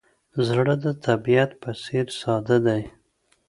زړه د طبیعت په څېر ساده دی.